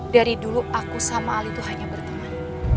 dari dulu aku sama ali itu hanya berteman